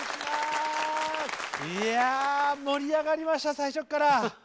いや盛り上がりました最初っから。